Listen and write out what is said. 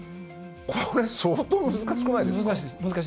これ相当、難しくないですか？